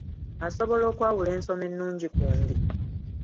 Osobola okwawula ensoma ennungi ku mbi?